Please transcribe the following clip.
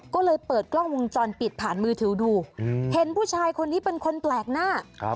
ก็เลยเปิดกล้องวงจรปิดผ่านมือถือดูเห็นผู้ชายคนนี้เป็นคนแปลกหน้า